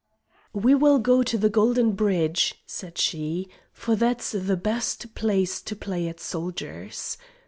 "We will go to the golden bridge," said she, "for that's the best place to play at soldiers.